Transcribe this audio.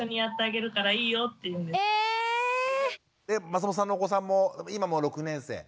松本さんのお子さんも今もう６年生。